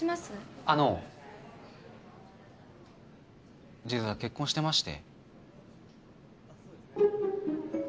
あっあの実は結婚してまして。